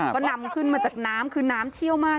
ก็นำขึ้นมาจากน้ำคือน้ำเชี่ยวมาก